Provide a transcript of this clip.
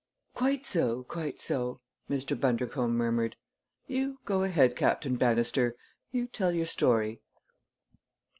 "Quite so quite so!" Mr. Bundercombe murmured. "You go ahead, Captain Bannister. You tell your story."